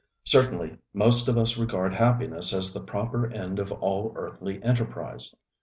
Certainly most of us regard happiness as the proper end of all earthly enterprise.